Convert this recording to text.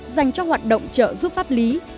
dành cho hoạt động trợ giúp pháp lý